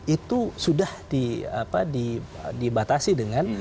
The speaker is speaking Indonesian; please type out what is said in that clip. itu sudah dibatasi dengan